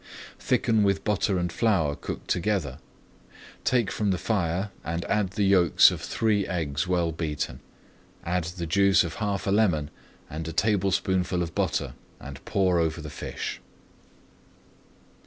Thicken with butter and flour cooked together, take from the fire and add the yolks of three eggs well beaten. Add the juice of half a lemon and a tablespoonful of butter, and pour over the fish.